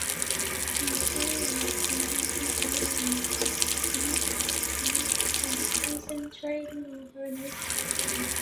Now Sara lives in Helsinki and is concentrating on her musical career.